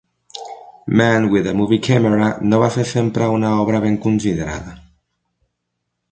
"Man with a Movie Camera" no va ser sempre una obra ben considerada.